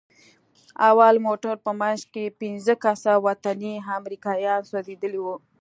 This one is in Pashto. د اول موټر په منځ کښې پينځه کسه وطني امريکايان سوځېدلي وو.